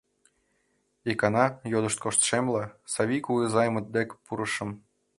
Икана, йодышт коштшемла, Савий кугызаймыт дек пурышым.